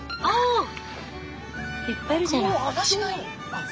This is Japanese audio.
あっ！